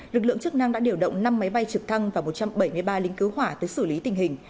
lực lượng chức năng đã điều động năm máy bay trực thăng và một trăm bảy mươi ba lính cứu hỏa tới xử lý tình hình